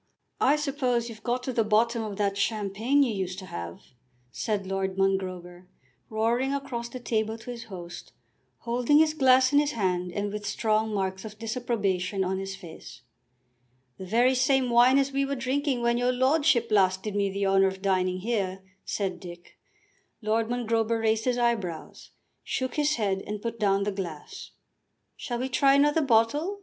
"I suppose you've got to the bottom of that champagne you used to have," said Lord Mongrober, roaring across the table to his host, holding his glass in his hand, and with strong marks of disapprobation on his face. "The very same wine as we were drinking when your lordship last did me the honour of dining here," said Dick. Lord Mongrober raised his eyebrows, shook his head and put down the glass. "Shall we try another bottle?"